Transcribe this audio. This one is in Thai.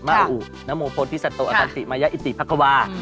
มาอุนโมพลธิสัตว์อธันติมะยะอิติภักวา